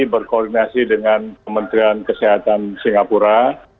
berkoordinasi dengan kementerian kesehatan singapura